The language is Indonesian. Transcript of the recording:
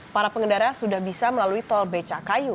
para pengendara sudah bisa melalui tol becakayu